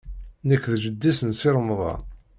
Nekk d jeddi-s n Si Remḍan.